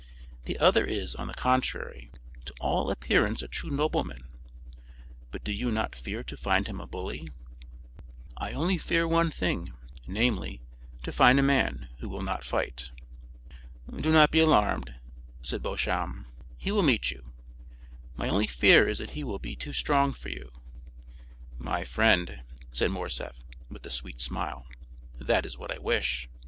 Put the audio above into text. The other is, on the contrary, to all appearance a true nobleman; but do you not fear to find him a bully?" "I only fear one thing; namely, to find a man who will not fight." "Do not be alarmed," said Beauchamp; "he will meet you. My only fear is that he will be too strong for you." "My friend," said Morcerf, with a sweet smile, "that is what I wish.